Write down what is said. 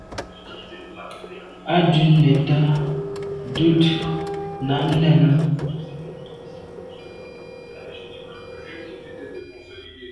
À dun neta dut nà nène.